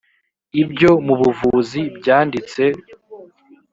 ibyo mu buvuzi byanditse